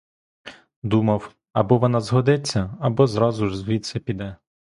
Думав: або вона згодиться, або зразу ж звідси піде.